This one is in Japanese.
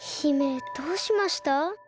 姫どうしました？